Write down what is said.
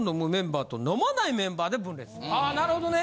あなるほどね。